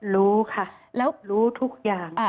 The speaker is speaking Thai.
รู้ค่ะรู้ทุกอย่าง